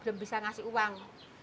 belum bisa ngasih uang